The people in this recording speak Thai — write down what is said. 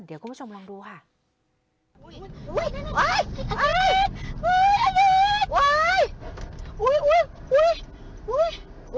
เดี๋ยวคุณผู้ชมลองดูค่ะ